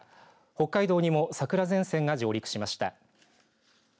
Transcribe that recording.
北海道にも桜前線が上陸しました。